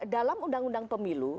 dalam undang undang pemilu